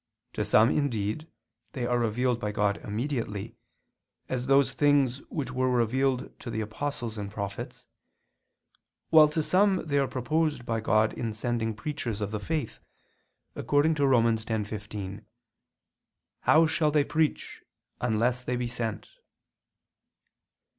To some, indeed, they are revealed by God immediately, as those things which were revealed to the apostles and prophets, while to some they are proposed by God in sending preachers of the faith, according to Rom. 10:15: "How shall they preach, unless they be sent?"